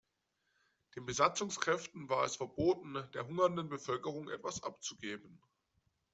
Den Besatzungskräften war es verboten, der hungernden Bevölkerung etwas abzugeben.